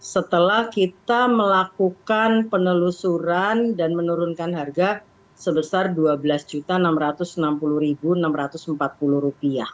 setelah kita melakukan penelusuran dan menurunkan harga sebesar rp dua belas enam ratus enam puluh enam ratus empat puluh